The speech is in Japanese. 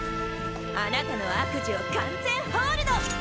あなたの悪事を完全ＨＯＬＤ！